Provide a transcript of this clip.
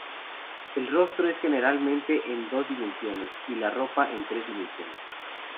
El rostro es generalmente en dos dimensiones, y la ropa en tres dimensiones.